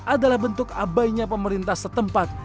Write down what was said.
adalah bentuk abainya pemerintah setempat